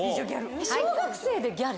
小学生でギャル？